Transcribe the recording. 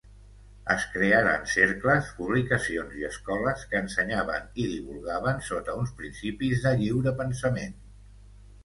Es crearen cercles, publicacions i escoles que ensenyaven i divulgaven sota uns principis de lliurepensament.